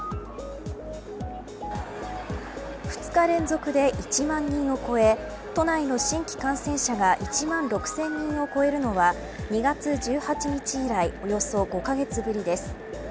２日連続で１万人を超え都内の新規感染者が１万６０００人を超えるのは２月１８日以来およそ５カ月ぶりです。